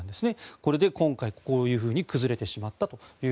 これで今回こういうふうに崩れてしまったと。